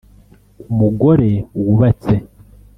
umugore wubatse